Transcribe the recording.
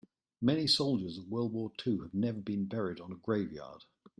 Many soldiers of world war two have never been buried on a grave yard.